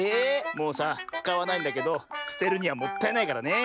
もうさつかわないんだけどすてるにはもったいないからねえ。